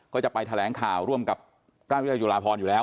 ก็จะไปแถลงข่าวร่วมกับพระวิทยาจุฬาพรอยู่แล้ว